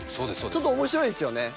ちょっと面白いですよね